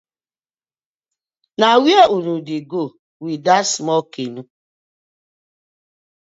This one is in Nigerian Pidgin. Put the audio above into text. Na where uno dey go wit dat small canoe?